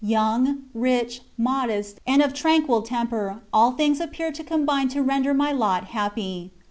Young, rich, modest, and of tranquil temper, all things appeared to combine to render my lot happy.